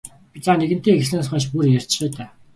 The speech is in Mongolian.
За нэгэнтээ эхэлснээс хойш бүр ярьчихъя даа.